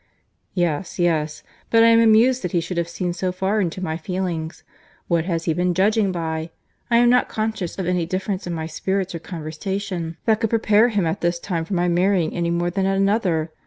"Yes, yes—but I am amused that he should have seen so far into my feelings. What has he been judging by?—I am not conscious of any difference in my spirits or conversation that could prepare him at this time for my marrying any more than at another.